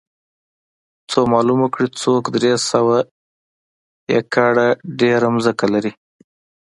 څو معلومه کړي څوک درې سوه ایکره ډېره ځمکه لري